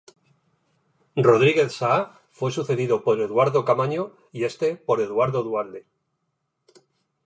Rodríguez Saá fue sucedido por Eduardo Camaño y este por Eduardo Duhalde.